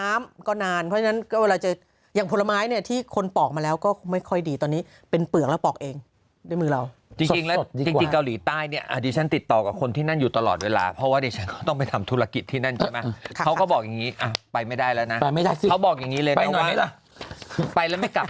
ไม่เอาสิเดี๋ยวไม่มีเพื่อนไม่เอาสิต้องอยู่ด้วยกันอย่างนี้